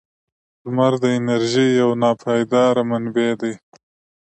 • لمر د انرژۍ یو ناپایدار منبع دی.